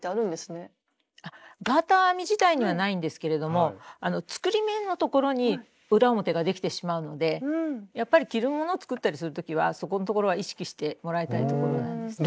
ガーター編み自体にはないんですけれども作り目のところに裏表ができてしまうのでやっぱり着るものを作ったりする時はそこんところは意識してもらいたいところなんですね。